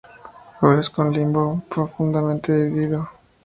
Flores con limbo profundamente dividido.